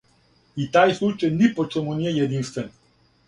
И тај случај ни по чему није јединствен.